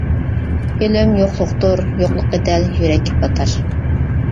ئۆلۈم يوقلۇقتۇر يوقلۇقى دەل يۈرەككە پاتار.